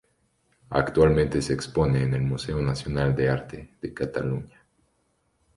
Actualmente se expone en el Museo Nacional de Arte de Cataluña.